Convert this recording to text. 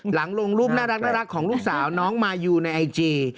หลังลงรูปน่ารักของลูกสาวน้องมายูในไอจี